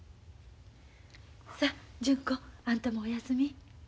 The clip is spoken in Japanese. さ純子あんたもおやすみ。